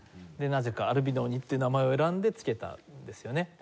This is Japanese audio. でなぜかアルビノーニっていう名前を選んでつけたんですよね。